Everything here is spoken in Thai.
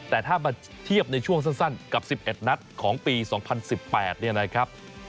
แต่ถ้ามาเทียบในช่วงสั้นกับ๑๑นัดของปี๒๐๑๘เนี่ยนะครับ